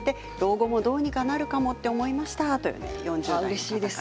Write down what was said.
うれしいです。